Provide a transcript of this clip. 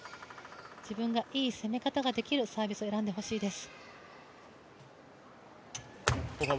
自分がいい攻め方ができるサービスを選んでほしいです。